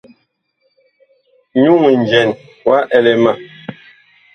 Nyuŋ njɛn wa ɛlɛ ma.